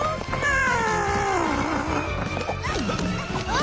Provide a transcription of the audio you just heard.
あ。